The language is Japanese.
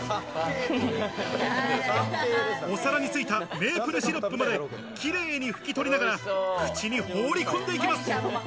お皿についたメープルシロップまで綺麗に拭き取りながら口に放り込んでいきます。